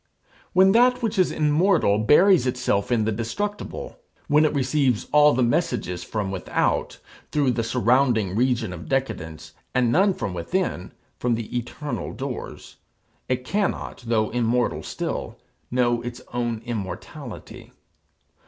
When that which is immortal buries itself in the destructible when it receives all the messages from without, through the surrounding region of decadence, and none from within, from the eternal doors it cannot, though immortal still, know its own immortality.